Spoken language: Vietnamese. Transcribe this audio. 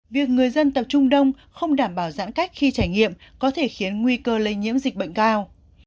việc người dân tập trung đông không đảm bảo giãn cách khi trải nghiệm có thể khiến nguy cơ lây nhiễm dịch bệnh cao